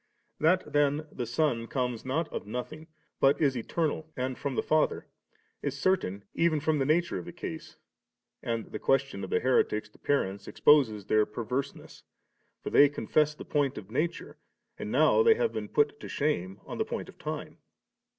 That then the Son comes not of nothing but is eternal and from the Father, b certain even from the nature of the case; and the question of the heretics to parents exposes their perverseness ; for they confess the point of nature, and now have been put to shame on the point of time.